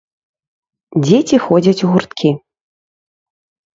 Дзеці ходзяць у гурткі.